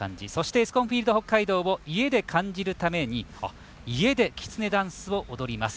エスコンフィールド北海道を家で感じるために家で「きつねダンス」を踊ります。